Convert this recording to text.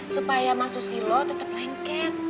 supaya mas susilo tetap lengket